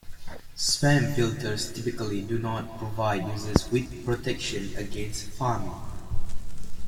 Spam filters typically do not provide users with protection against pharming.